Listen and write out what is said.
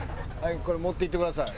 これ持っていってください。